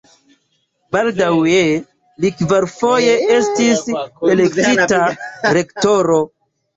Baldaŭe li kvarfoje estis elektita rektoro.